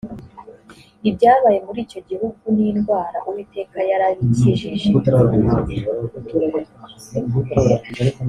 ibyabaye muri icyo gihugu n’indwara uwiteka yarabikijijej